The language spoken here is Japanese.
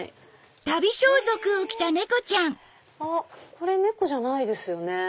これ猫じゃないですよね。